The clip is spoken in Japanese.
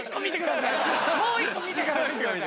もう１個見てからにしてください。